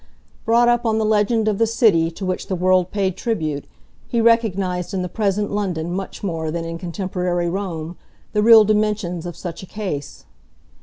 Brought up on the legend of the City to which the world paid tribute, he recognised in the present London much more than in contemporary Rome the real dimensions of such a case.